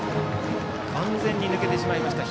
完全に抜けてしまいました。